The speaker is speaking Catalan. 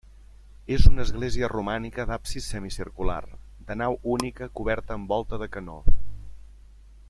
És una església romànica d'absis semicircular, de nau única coberta amb volta de canó.